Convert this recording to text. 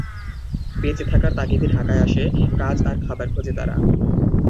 বেঁচে থাকার তাগিদে ঢাকায় আসে, কাজ আর খাবার খোঁজে তারা।